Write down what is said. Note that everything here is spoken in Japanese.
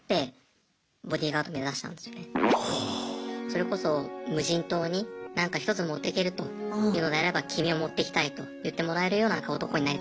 それこそ無人島になんか１つ持っていけるというのであれば君を持っていきたいと言ってもらえるような男になりたいなと思ってました。